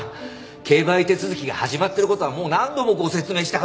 競売手続が始まっている事はもう何度もご説明したはず。